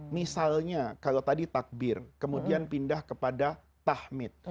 misalnya kalau tadi takbir kemudian pindah kepada tahmid